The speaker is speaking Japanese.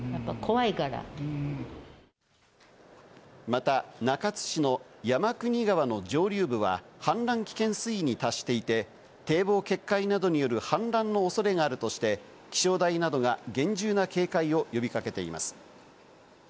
また、中津市の山国川の上流部は氾濫危険水位に達していて、堤防決壊などによる氾濫の恐れがあるとして気象台などが厳重な警戒を呼びかけています。